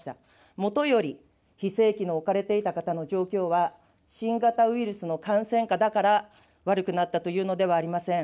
もとより、非正規に置かれていた方の状況は、新型ウイルスの感染下だから悪くなったというのではありません。